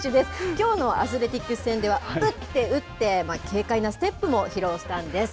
きょうのアスレティックス戦では、打って打って、軽快なステップも披露したんです。